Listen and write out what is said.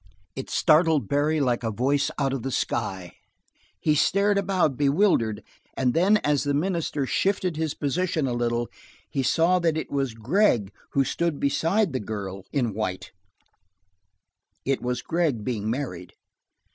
It startled Barry like a voice out of the sky; he stared about, bewildered, and then as the minister shifted his position a little he saw that it was Gregg who stood there beside the girl in white, it was Gregg being married.